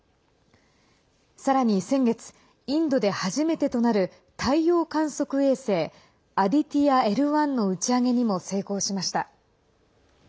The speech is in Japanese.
さらに先月インドで初めてとなる太陽観測衛星「アディティヤＬ１」の打ち上げにも成功しました。